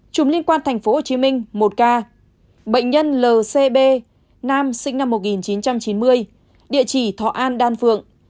chúng liên quan tp hcm một ca bệnh nhân lcb nam sinh năm một nghìn chín trăm chín mươi địa chỉ thọ an đan phượng